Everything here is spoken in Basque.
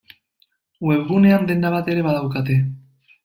Webgunean denda bat ere badaukate.